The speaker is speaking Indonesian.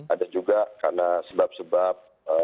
ada juga karena sebab sebab